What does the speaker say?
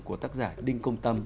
của tác giả đinh công tâm